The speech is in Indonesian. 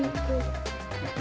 tapi tidak ada komunikasi